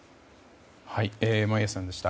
眞家さんでした。